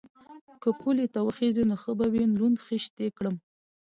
_که پولې ته وخېژې نو ښه به وي، لوند خيشت دې کړم.